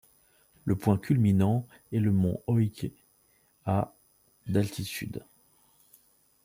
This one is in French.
Le point culminant est le mont Oike à d'altitude.